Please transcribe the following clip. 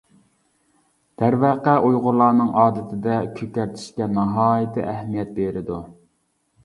دەرۋەقە، ئۇيغۇرلارنىڭ ئادىتىدە كۆكەرتىشكە ناھايىتى ئەھمىيەت بېرىدۇ.